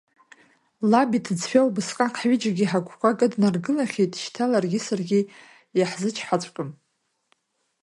Лаб иҭыӡшәа убысҟак ҳҩыџьагьы ҳагәқәа кыднаргылахьеит, шьҭа ларгьы саргьы иаҳзычҳаҵәҟьом.